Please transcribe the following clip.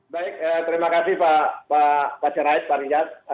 baik terima kasih pak cerait pak rijat